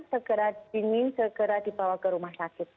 segera dingin segera dibawa ke rumah sakit